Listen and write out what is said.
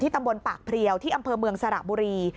ตำบลปากเพลียวที่อำเภอเมืองสระบุรี